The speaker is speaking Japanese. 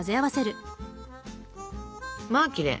まあきれい。